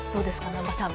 南波さん。